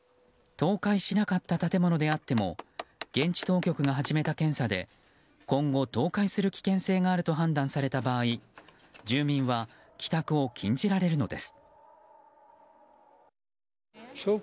倒壊しなかった建物であっても現地当局が始めた検査で今後、倒壊する危険性があると判断された場合住民は帰宅を禁じられるのです。